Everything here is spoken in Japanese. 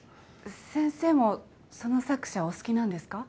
先生もその作者お好きなんですか？